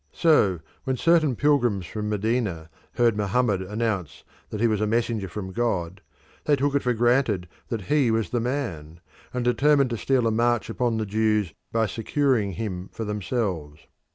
So, when certain pilgrims from Medina heard Mohammed announce that he was a messenger from God, they took it for granted that he was the man, and determined to steal a march upon the Jews by securing him for themselves.